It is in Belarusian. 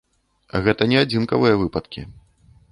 Гэта не адзінкавыя выпадкі.